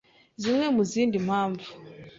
Zimwe mu zindi mpamvu